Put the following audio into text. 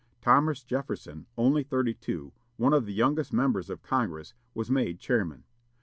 Thomas Jefferson, only thirty two, one of the youngest members of Congress, was made chairman.